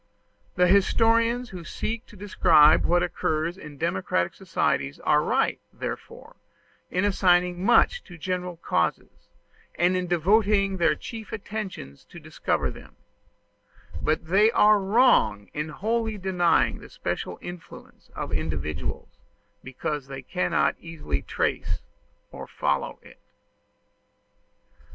The historians who seek to describe what occurs in democratic societies are right, therefore, in assigning much to general causes, and in devoting their chief attention to discover them; but they are wrong in wholly denying the special influence of individuals, because they cannot easily trace or follow it.